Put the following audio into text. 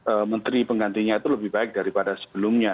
karena menteri penggantinya itu lebih baik daripada sebelumnya